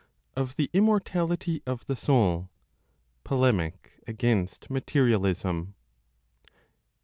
Of the Immortality of the Soul: Polemic Against Materialism.